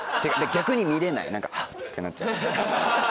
逆に見れない何か「ハァ」ってなっちゃう。